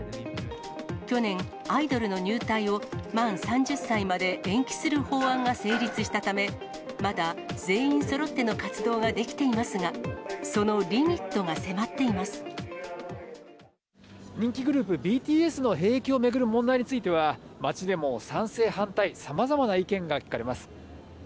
去年、アイドルの入隊を満３０歳まで延期する法案が成立したため、まだ全員そろっての活動ができていますが、そのリミットが迫って人気グループ、ＢＴＳの兵役を巡る問題については、街でも賛成、反対、さまざまな意見が聞かれます。